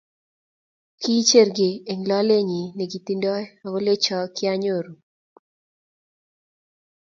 Kicher kiy eng lolenyi nekitindoi akolecho kianyoru